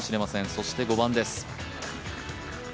そして５番です。